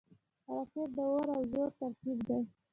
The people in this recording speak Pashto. راکټ د اور او زور ترکیب دی